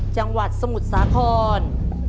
จังหวัดสมุทรสาคร